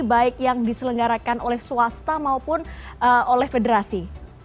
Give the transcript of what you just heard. baik yang diselenggarakan oleh swasta maupun oleh federasi